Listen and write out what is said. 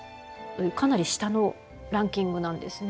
かなり下のランキングなんですね。